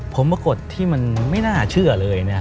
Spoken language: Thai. ผมปรากฏที่มันไม่น่าเชื่อเลย